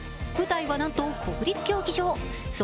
舞台は、なんと国立競技場。